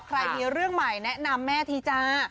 ใครมีเรื่องใหม่แนะนำแม่ทีจ้า